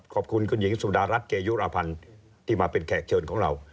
ขอบคุณคุณหญิงสุดารัฐเกยุรพันธ์ที่มาเป็นแขกเชิญของเรา